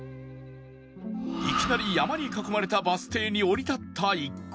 いきなり山に囲まれたバス停に降り立った一行